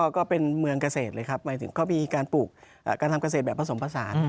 ก็เป็นเมืองเกษตรเลยครับหมายถึงเขามีการปลูกการทำเกษตรแบบผสมผสาน